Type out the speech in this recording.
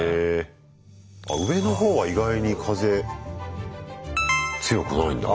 あ上の方は意外に風強くないんだな。